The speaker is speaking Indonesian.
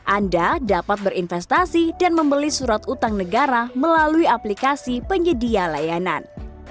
anda dapat berinvestasi dan membeli surat utang negara melalui aplikasi penyedia layanan